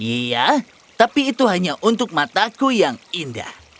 iya tapi itu hanya untuk mataku yang indah